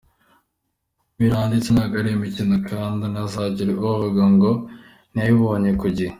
Ibi nanditse ntabwo ari imikino kandi ntihazagire uvuga ngo ntiyabibonye ku gihe.